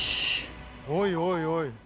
おいおいおい。